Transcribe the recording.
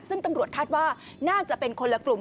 ซึ่งตำรวจคาดว่าน่าจะเป็นคนละกลุ่ม